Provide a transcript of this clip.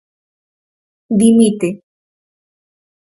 Dimite.